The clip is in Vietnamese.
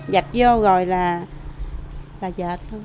dịch vô rồi là dịch